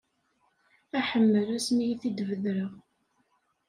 Aḥemmel ass mi i t-id-bedreɣ.